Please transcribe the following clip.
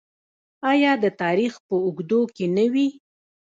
آیا د تاریخ په اوږدو کې نه وي؟